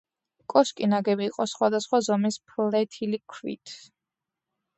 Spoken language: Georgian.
კოშკი ნაგები იყო სხვადასხვა ზომის ფლეთილი ქვით.